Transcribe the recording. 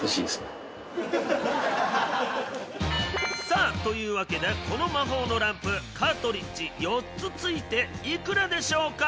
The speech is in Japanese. さあというわけでこの魔法のランプカートリッジ４つ付いていくらでしょうか？